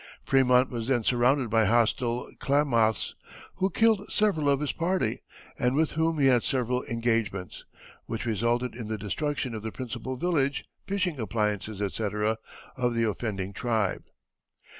Frémont was then surrounded by hostile Klamaths, who killed several of his party and with whom he had several engagements, which resulted in the destruction of the principal village, fishing appliances, etc., of the offending tribe.